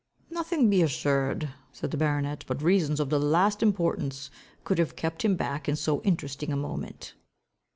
"Nothing, be assured," said the baronet, "but reasons of the last importance, could have kept him back in so interesting a moment."